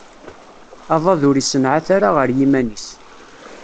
Aḍad ur issenɛat ara ar yiman-is.